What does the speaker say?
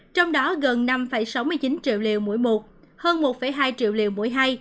trong đó gần năm sáu mươi chín triệu liều mũi một hơn một hai triệu liều mũi hai